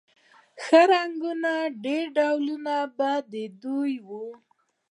ښه رنګونه ډېر ډولونه به د دوی و